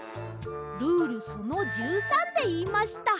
ルールその１３でいいました。